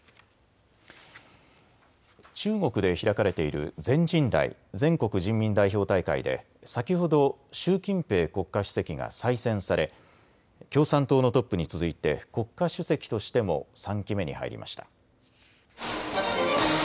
中国で開かれている全人代・全国人民代表大会で先ほど習近平国家主席が再選され共産党のトップに続いて国家主席としても３期目に入りました。